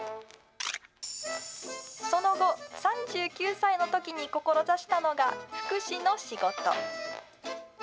その後、３９歳のときに志したのが、福祉の仕事。